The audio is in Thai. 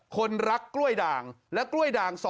ต้นกล้วยคล้วยด่าง